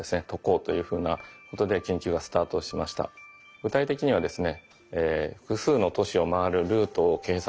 具体的にはですね